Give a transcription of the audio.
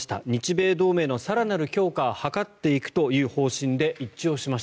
日米同盟の更なる強化を図っていくという方針で一致しました。